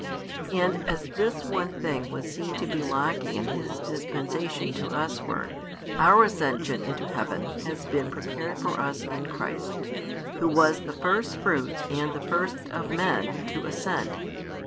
And as this one thing was seen to be lacking in His dispensation to us ward, our ascension into heaven has been prepared for us in Christ, Who was the firstfruits and the first of men to ascend.